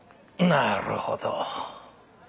なるほど。